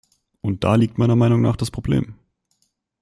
Und da liegt meiner Meinung nach das Problem.